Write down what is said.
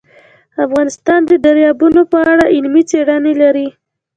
افغانستان د دریابونه په اړه علمي څېړنې لري.